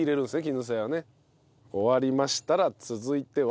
終わりましたら続いては。